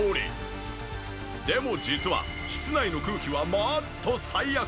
でも実は室内の空気はもっと最悪。